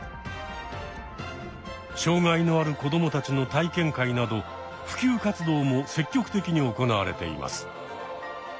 障害のある子どもたちの体験会など普及活動も積極的に行われています。